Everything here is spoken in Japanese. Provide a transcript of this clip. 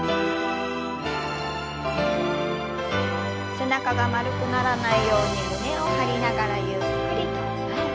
背中が丸くならないように胸を張りながらゆっくりと前。